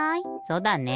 そうだね。